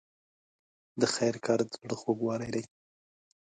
د خیر کار د زړه خوږوالی دی.